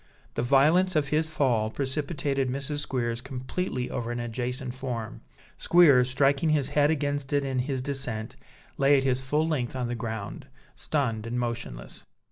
The violence of his fall precipitated Mrs. Squeers completely over an adjacent form; Squeers, striking his head against it in his descent, lay at his full length on the ground, stunned and motionless.